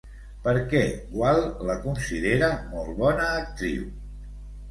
Per què Gual la considera molt bona actriu?